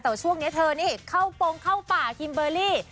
แต่ช่วงนี้เธอนี่เข้าโปรงเข้าป่าคิมเบอร์รี่